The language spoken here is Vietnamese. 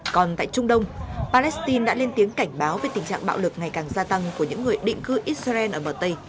còn tại trung đông palestine đã lên tiếng cảnh báo về tình trạng bạo lực ngày càng gia tăng của những người định cư israel ở bờ tây